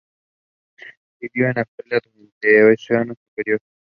Vivió en Asia durante el Eoceno superior.